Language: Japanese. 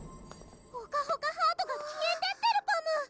ほかほかハートが消えてってるパム！